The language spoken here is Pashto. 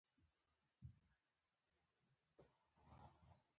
ما په تا باندی حساب کاوه